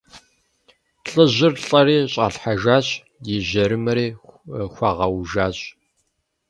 Лӏыжьыр лӏэри щӏалъхьэжащ и жьэрымэри хуагъэужащ.